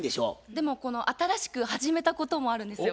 でも新しく始めたこともあるんですよ。